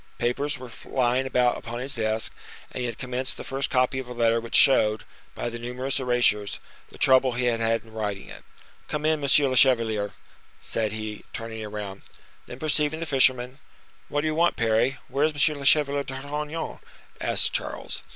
Papers were lying about upon his desk, and he had commenced the first copy of a letter which showed, by the numerous erasures, the trouble he had had in writing it. "Come in, monsieur le chevalier," said he, turning around. Then perceiving the fisherman, "What do you mean, Parry? Where is M. le Chevalier d'Artagnan?" asked Charles.